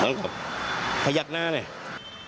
พยายามพยายามเนี่ย